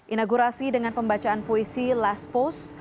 inaugurasi dengan pembacaan puisi last post